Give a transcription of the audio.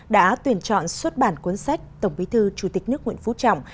đã tuyển chọn xuất bản cuốn sách tổng bí thư chủ tịch nước nguyễn phú trọng